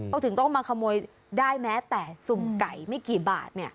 เขาถึงต้องมาขโมยได้แม้แต่สุ่มไก่ไม่กี่บาท